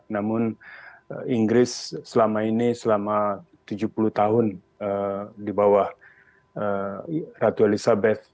namun inggris selama ini selama tujuh puluh tahun di bawah ratu elizabeth